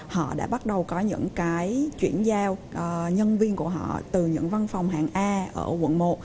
họ đã bắt đầu có những cái chuyển giao nhân viên của họ từ những văn phòng hàng a ở quận một